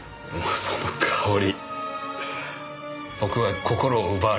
その香り。